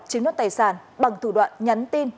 chiếm nhốt tài sản bằng thủ đoạn nhắn tin